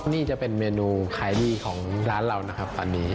นี่จะเป็นเมนูขายดีของร้านเรานะครับตอนนี้